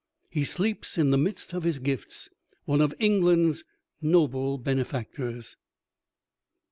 He sleeps in the midst of his gifts, one of England's noble benefactors.